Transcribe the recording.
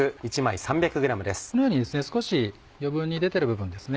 このように少し余分に出てる部分ですね